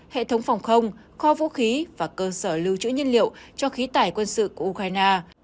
hệ thống phòng không kho vũ khí và cơ sở lưu trữ nhân liệu cho khí tải quân sự của ukraine